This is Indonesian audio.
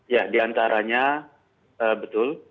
ya diantaranya betul